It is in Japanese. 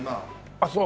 あっそう。